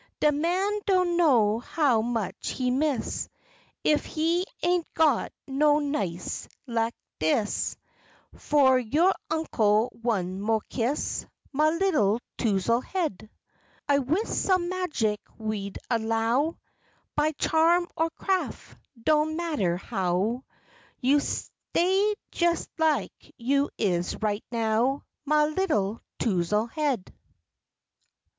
De man doan know how much he miss, Ef he ain't got no niece lak dis; Fro yore Unkel one mo' kiss, Mah 'ittle Touzle Head! I wist sum magic w'u'd ellow, (By charm or craf' doan mattah how) You stay jes lak you is right now, Mah 'ittle Touzle Head.